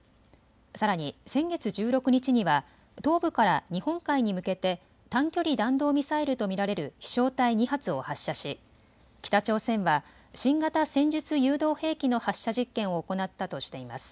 さらに先月１６日には東部から日本海に向けて短距離弾道ミサイルと見られる飛しょう体２発を発射し北朝鮮は新型戦術誘導兵器の発射実験を行ったとしています。